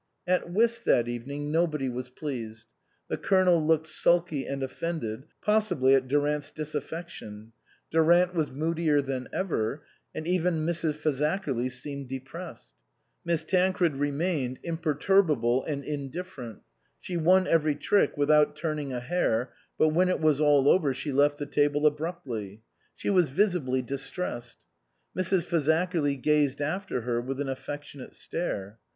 At whist that evening nobody was pleased. The Colonel looked sulky and offended, possibly at Durant's disaffection ; Durant was moodier than ever, and even Mrs. Fazakerly seemed de pressed. Miss Tancred remained imperturbable and indifferent, she won every trick without turning a hair, but when it was all over she left the table abruptly. She was visibly distressed. Mrs. Fazakerly gazed after her with an affec tionate stare.